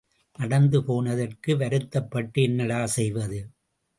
நடந்து போனதற்கு வருத்தப்பட்டு என்னடா செய்வது?